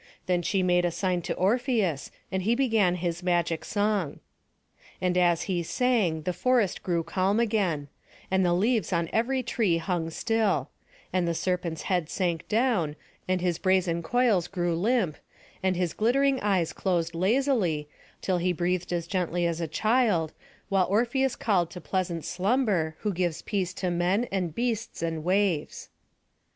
Then she made a sign to Orpheus, and he began his magic song. And as he sung, the forest grew calm again, and the leaves on every tree hung still; and the serpent's head sank down, and his brazen coils grew limp, and his glittering eyes closed lazily, till he breathed as gently as a child, while Orpheus called to pleasant Slumber, who gives peace to men, and beasts, and waves.